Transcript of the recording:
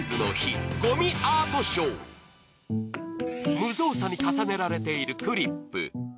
無造作に重ねられているクリップ。